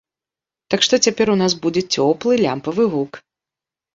Так што цяпер у нас будзе цёплы лямпавы гук!